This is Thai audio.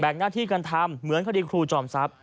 หน้าที่กันทำเหมือนคดีครูจอมทรัพย